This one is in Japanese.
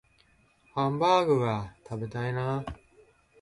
ハンバーグが食べたい